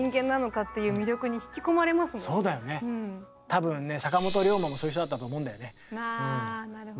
多分ね坂本龍馬もそういう人だったと思うんだよね。